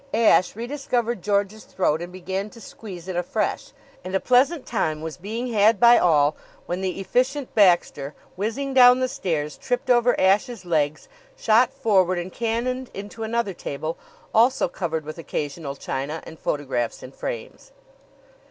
Ashe rediscovered George's throat and began to squeeze it afresh; and a pleasant time was being had by all when the Efficient Baxter, whizzing down the stairs, tripped over Ashe's legs, shot forward and cannoned into another table, also covered with occasional china and photographs in frames.